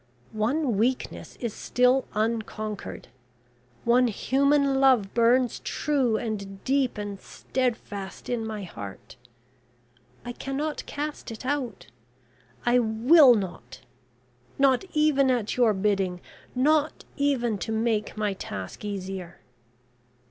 One weakness is still unconquered, one human love burns true and deep and steadfast in my heart. I cannot cast it out. I will not; not even at your bidding; not even to make my task easier.